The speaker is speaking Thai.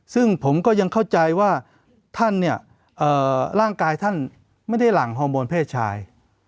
ซึ่งผมก็ยังเข้าใจว่าท่านเนี่ยร่างกายท่านไม่ได้หลั่งฮอร์โมนเพศชาย